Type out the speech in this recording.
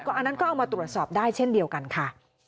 อันนั้นก็เอามาตรวจสอบได้เช่นเดียวกันค่ะ